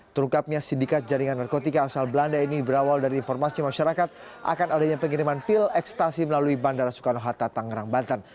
terungkapnya sindikat jaringan narkotika asal belanda ini berawal dari informasi masyarakat akan adanya pengiriman pil ekstasi melalui bandara soekarno hatta tangerang banten